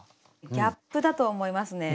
ギャップだと思いますね。